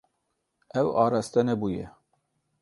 Ew araste nebûye.